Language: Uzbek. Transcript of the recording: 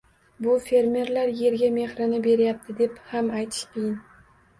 Bu «fermer»lar yerga mehrini beryapti, deb ham aytish qiyin.